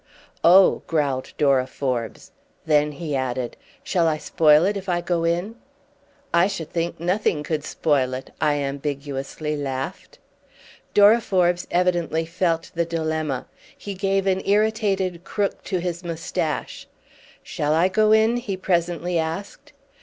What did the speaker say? "Oh!" growled Dora Forbes. Then he added: "Shall I spoil it if I go in?" "I should think nothing could spoil it!" I ambiguously laughed. Dora Forbes evidently felt the dilemma; he gave an irritated crook to his moustache. "Shall I go in?" he presently asked.